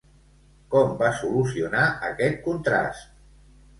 Com va solucionar aquest contrast?